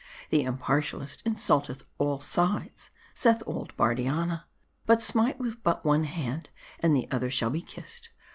The impartial ist insulteth all sides, saith old Bardianna ; but smite with but one hand, and the other shall be kissed.